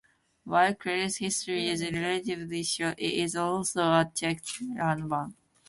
While Kurir's history is relatively short, it is also a checkered one.